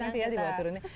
biar kenyang kita